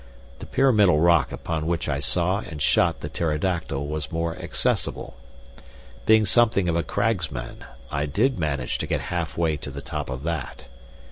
The pyramidal rock upon which I saw and shot the pterodactyl was more accessible. Being something of a cragsman, I did manage to get half way to the top of that.